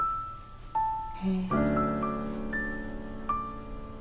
へえ。